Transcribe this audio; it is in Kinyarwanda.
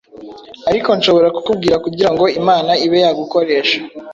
Ariko nshobora kukubwira kugira ngo Imana ibe yagukoresha